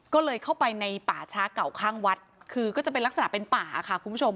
ก็เลยเข้าไปในป่าช้าเก่าข้างวัดคือก็จะเป็นลักษณะเป็นป่าค่ะคุณผู้ชม